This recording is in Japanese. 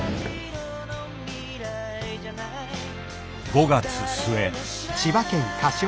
５月末。